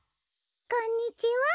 こんにちは。